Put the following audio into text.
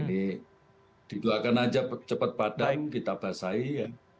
ini di doakan aja cepat padam kita basahi ya